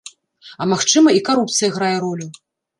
А магчыма, і карупцыя грае ролю.